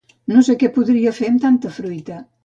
No sé que podria fer amb tanta fruita